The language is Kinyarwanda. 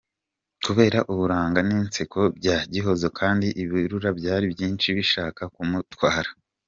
Kubera uburanga n’inseko bya Gihozo kandi ibirura byari byinshi bishaka kumuntwara.